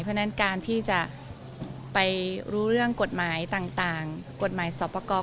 เพราะฉะนั้นการที่จะไปรู้เรื่องกฎหมายต่างกฎหมายสอบประกอบ